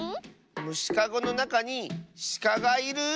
むしかごのなかにしかがいる。